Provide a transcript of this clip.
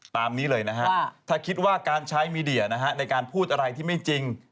ตามนี้เลยนะฮะถ้าคิดว่าการใช้มีเดียนะฮะในการพูดอะไรที่ไม่จริง